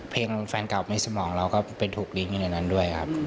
เพลงแฟนเก่าในสมองเราก็เป็นถูกลิงก์อยู่ในนั้นด้วยครับ